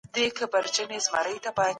د کیفیت ښه والی به د پلور کچه زیاته کړي.